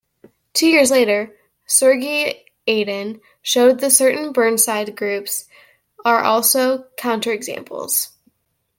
Two years later, Sergei Adian showed that certain Burnside groups are also counterexamples.